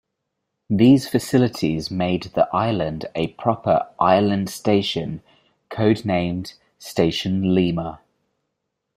These facilities made the island a proper island station code-named Station Lima.